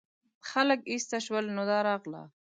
خلک ایسته شول نو دا راغله.